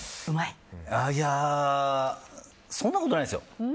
いやそんなことないですよ。